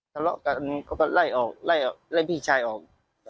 สละกันก็ไล่ออกไล่พี่ชายออก